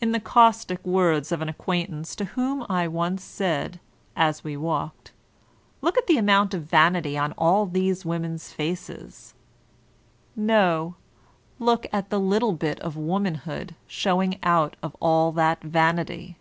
In the caustic words of an acquaintance, to whom I once said, as we walked, "'Look at the amount of vanity on all these women's faces," ''No: look at the little bit of womanhood showing out of all that vanity